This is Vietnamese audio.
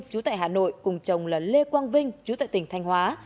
chú tại hà nội cùng chồng là lê quang vinh chú tại tỉnh thanh hóa